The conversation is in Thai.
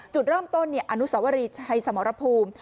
จุดเริ่มต้นอนุสวรีชัยสมรภูมิ